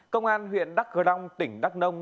công an huyện đắk hờ đông tỉnh đắk nông